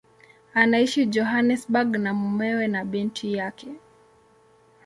Anaishi Johannesburg na mumewe na binti yake.